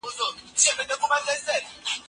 غورځنګ